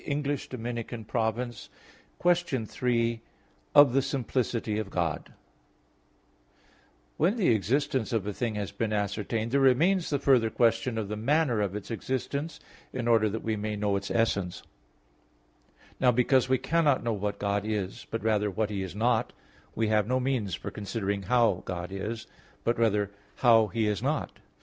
_______________________ QUESTION 3 OF THE SIMPLICITY OF GOD (In Eight Articles) When the existence of a thing has been ascertained there remains the further question of the manner of its existence, in order that we may know its essence. Now, because we cannot know what God is, but rather what He is not, we have no means for considering how God is, but rather how He is not.